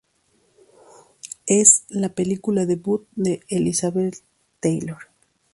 Es la película debut de Elizabeth Taylor.